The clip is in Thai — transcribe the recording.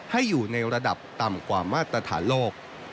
อยู่ในระดับต่ำกว่ามาตรฐานโลก